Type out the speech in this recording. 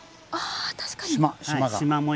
あ確かに。